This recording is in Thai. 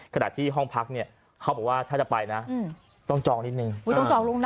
ขณะที่ห้องพักเนี่ยเขาบอกว่าถ้าจะไปนะต้องจองนิดนึง